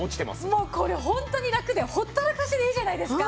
もうこれホントにラクでほったらかしでいいじゃないですか。